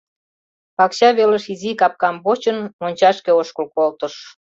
Пакча велыш изи капкам почын, мончашке ошкыл колтыш.